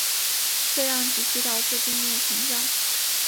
这样极易导致地面沉降。